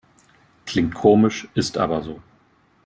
Klingt komisch, ist aber so.